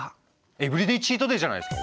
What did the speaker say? エブリデーチートデーじゃないですか。